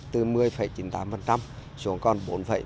từ một mươi chín mươi tám xuống còn bốn một mươi sáu